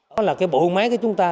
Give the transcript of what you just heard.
đó là cái bộ máy của chúng ta